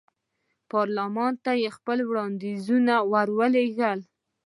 پارلمان ته یې خپل وړاندیزونه ور ولېږل.